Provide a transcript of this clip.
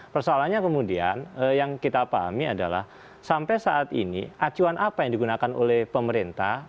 persoalannya kemudian yang kita pahami adalah sampai saat ini acuan apa yang digunakan oleh pemerintah